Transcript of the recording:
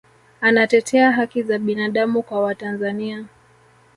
anatetea haki za binadamu kwa watanzania